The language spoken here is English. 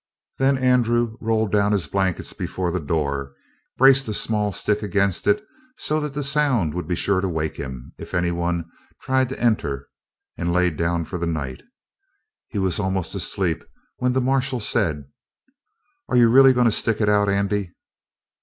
Then Andrew rolled down his blankets before the door, braced a small stick against it, so that the sound would be sure to waken him if anyone tried to enter, and laid down for the night. He was almost asleep when the marshal said: "Are you really going to stick it out, Andy?"